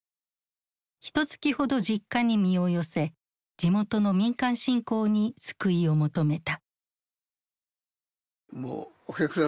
ひとつきほど実家に身を寄せ地元の民間信仰に救いを求めた。